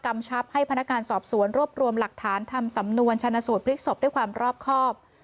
ชับให้พนักงานสอบสวนรวบรวมหลักฐานทำสำนวนชนะสูตรพลิกศพด้วยความรอบครอบ